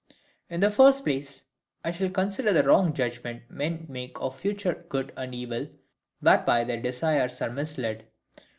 In the first place, I shall consider the wrong judgments men make of FUTURE good and evil, whereby their desires are misled.